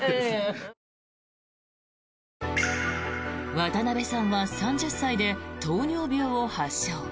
渡辺さんは３０歳で糖尿病を発症。